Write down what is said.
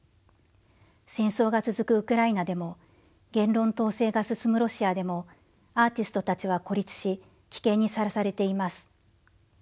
戦争が続くウクライナでも言論統制が進むロシアでもアーティストたちは孤立し危険にさらされています。